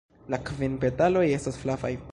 La kvin petaloj estas flavaj.